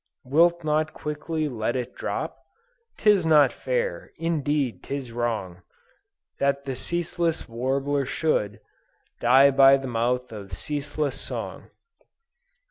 Wilt not quickly let it drop? 'Tis not fair, indeed 'tis wrong, That the ceaseless warbler should Die by mouth of ceaseless song."